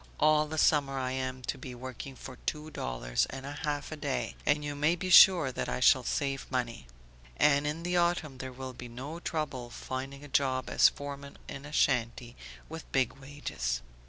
All the summer I am to be working for two dollars and a half a day and you may be sure that I shall save money. And in the autumn there will be no trouble finding a job as foreman in a shanty, with big wages.